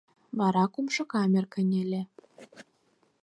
Вара кумшо камер кынеле.